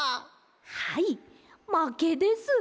はいまけです。